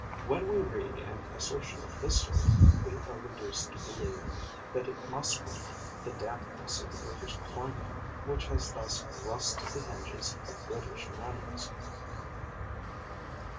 When we read an assertion of this sort, we are reduced to believe that it must be the dampness of the British climate which has thus rusted the hinges of British manners.